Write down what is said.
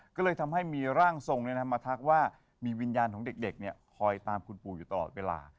ก็เลยทำให้มีร่างทรงมาทักว่ามีวิญญาณของเด็กคอยตามคุณปู่อยู่ตลอดเวลา